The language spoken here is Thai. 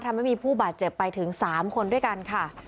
ทำให้มีผู้บาดเจ็บไปถึง๓คนด้วยกันค่ะ